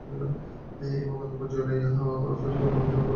এই মকদ্দমা জয় লইয়া আস্ফালন করা হরিমোহনের ইচ্ছা ছিল না।